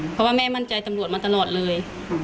เพราะว่าแม่มั่นใจตำรวจมาตลอดเลย